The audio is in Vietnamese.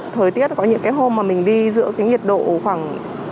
thời tiết có những cái hôm mà mình đi giữa cái nhiệt độ khoảng ba mươi bảy ba mươi tám